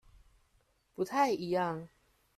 不太一樣